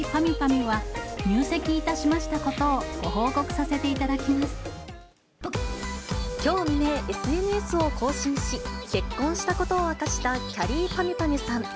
ゅは、入籍いたしましたことをご報きょう未明、ＳＮＳを更新し、結婚したことを明かしたきゃりーぱみゅぱみゅさん。